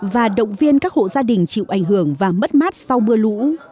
và động viên các hộ gia đình chịu ảnh hưởng và mất mát sau mưa lũ